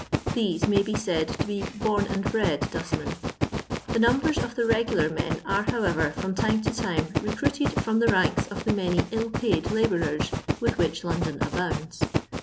These may be said to be bom and bred dustmen. The num bers of the regular men are, however, firom time to time recruited from the ranks of the many ill paid labourers with which London abounds.